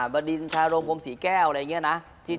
บดินชาโรงกรมสีแก้วอะไรอย่างเงี้ยนะ